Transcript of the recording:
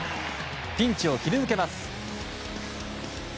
ピンチを切り抜けます。